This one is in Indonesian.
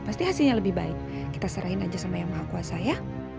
pasti hasilnya lebih baik kita serahin aja sama yang maha kuasa ya